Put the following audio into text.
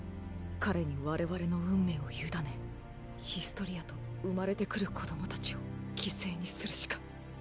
彼に我々の運命を委ねヒストリアと生まれてくる子供たちを犠牲にするしか。